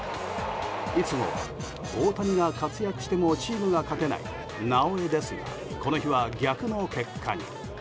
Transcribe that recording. いつもは大谷が活躍してもチームが勝てない「なおエ」ですがこの日は逆の結果に。